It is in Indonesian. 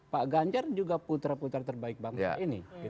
pak ganjar juga putra putra terbaik bangsa ini